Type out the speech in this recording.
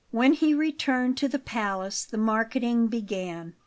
When he returned to the palace the marketing began.